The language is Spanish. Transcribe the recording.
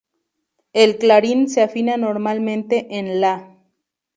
El clarín se afina normalmente en La.